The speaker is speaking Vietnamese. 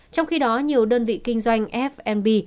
trong khi đó nhiều đơn vị kinh doanh fnp